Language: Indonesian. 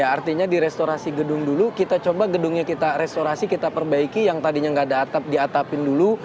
artinya di restorasi gedung dulu kita coba gedungnya kita restorasi kita perbaiki yang tadinya nggak ada atap diatapin dulu